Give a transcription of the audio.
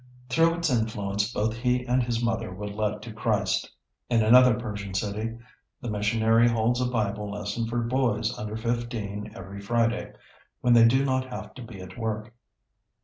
Through its influence both he and his mother were led to Christ. In another Persian city, the missionary holds a Bible lesson for boys under fifteen every Friday, when they do not have to be at work.